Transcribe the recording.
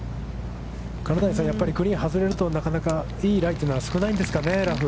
金谷さん、グリーン外れると、なかなかいいライというのは少ないんですかね、ラフ。